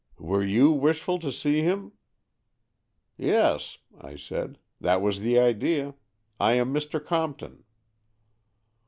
''Were you wishful to see him? " "Yes," I said. "That was the idea. I am Mr. Compton."